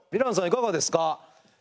いかがですか？